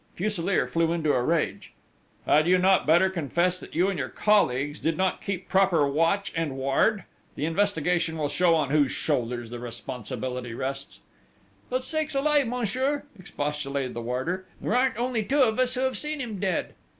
Fuselier flew into a rage: "Had you not better confess that you and your colleagues did not keep proper watch and ward!... The investigation will show on whose shoulders the responsibility rests." "But, sakes alive, monsieur!" expostulated the warder: "There aren't only two of us who have seen him dead!...